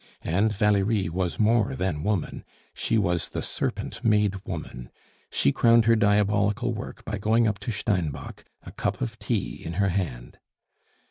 And Valerie was more than woman; she was the serpent made woman; she crowned her diabolical work by going up to Steinbock, a cup of tea in her hand.